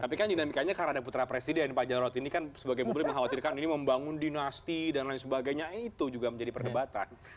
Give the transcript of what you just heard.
tapi kan dinamikanya karena ada putra presiden pak jarod ini kan sebagai publik mengkhawatirkan ini membangun dinasti dan lain sebagainya itu juga menjadi perdebatan